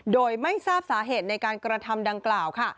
โดยไม่ทราบสาเหตุในการกระทำดังกล่าวค่ะ